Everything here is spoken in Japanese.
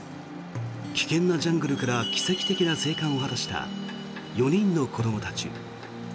危険なジャングルから奇跡的な生還を果たした４人の子どもたち。